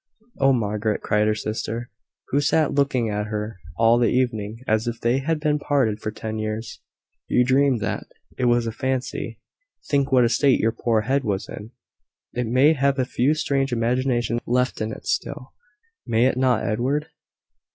'" "Oh, Margaret," cried her sister, who sat looking at her all the evening as if they had been parted for ten years, "you dreamed that. It was a fancy. Think what a state your poor head was in! It may have a few strange imaginations left in it still. May it not, Edward?"